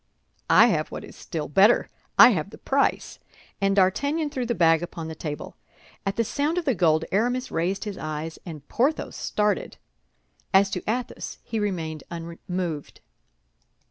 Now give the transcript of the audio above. "I have what is still better. I have the price;" and D'Artagnan threw the bag upon the table. At the sound of the gold Aramis raised his eyes and Porthos started. As to Athos, he remained unmoved.